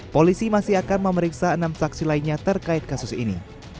polisi masih akan memeriksa enam saksi lainnya terkait kasus ini